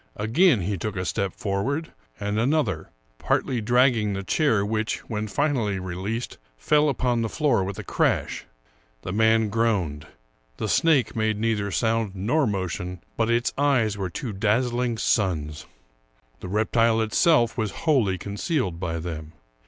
Again he took a step for ward, and another, partly dragging the chair, which, when finally released, fell upon the floor with a crash. The man groaned ; the snake made neither sound nor motion, but its eyes were two dazzling suns. The reptile itself was wholly concealed by them.